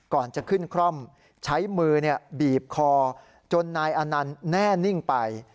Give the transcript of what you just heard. ก่อนจะขึ้นคร่อมใช้มือบีบคอจนนายอนันต์แน่นิ่งไป